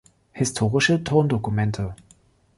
Historische Tondokumente